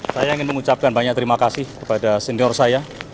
saya ingin mengucapkan banyak terima kasih kepada senior saya